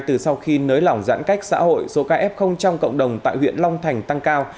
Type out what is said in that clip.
từ sau khi nới lỏng giãn cách xã hội số ca f trong cộng đồng tại huyện long thành tăng cao